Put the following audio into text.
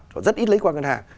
họ rất ít lấy qua ngân hàng